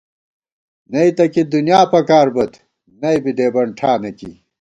نئ تہ کی دُنیا پکار بوئیت ، نئ بی دېبَن ٹھانہ کی